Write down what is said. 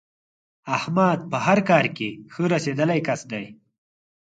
احمد په هر کار کې ښه رسېدلی کس دی.